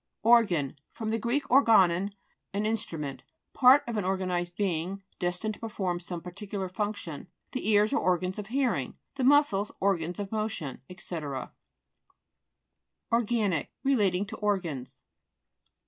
ORGAIT fr. gr. organon, an instru ment. Part of an organized being, destined to perform some particular function ; the ears are organs of hearing, the muscles organs of mo tion, &c. ORGA'XIC Relating to organs.